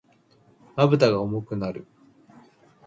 瞼が重くなる。